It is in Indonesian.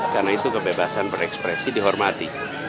karena itu kebebasan berekspresi dihormati